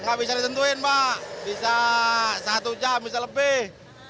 nggak bisa disentuhin pak bisa satu jam bisa lebih